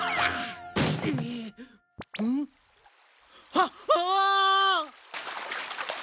あっああ！